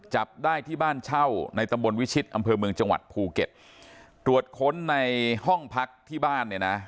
จับได้ที่บ้านเช่าในตำบลวิชิตอำเภอเมืองจังหวัดภูเก็ตตรวจค้นในห้องพักที่บ้านเนี่ยนะ